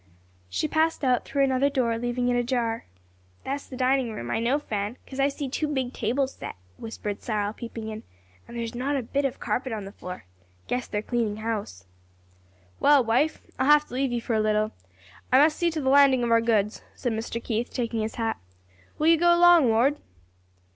She passed out through another door, leaving it ajar. "That's the dining room, I know, Fan, 'cause I see two big tables set," whispered Cyril peeping in, "and there's not a bit of carpet on the floor. Guess they're cleanin' house." "Well, wife, I'll have to leave you for a little, I must see to the landing of our goods," said Mr. Keith, taking his hat. "Will you go along, Ward?"